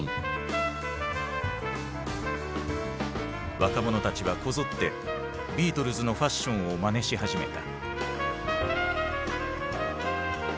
若者たちはこぞってビートルズのファッションをまねし始めた。